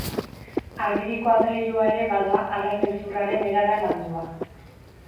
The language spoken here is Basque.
Ageriko adreilua ere bada arrain hezurraren erara landua.